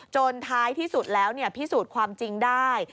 ท้ายที่สุดแล้วพิสูจน์ความจริงได้